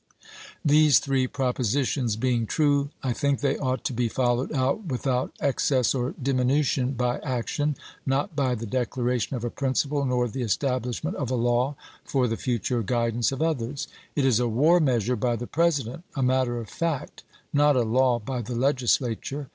These three propositions being true, I think they ought to be followed out, %vithout excess or diminution, by action, not by the declaration of a principle nor the establishment of a law for the future guidance of others. It is a war measure by the President, — a matter of fact, — not a law by the Legislature.